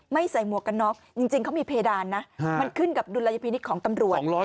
ใส่หมวกกันน็อกจริงเขามีเพดานนะมันขึ้นกับดุลยพินิษฐ์ของตำรวจ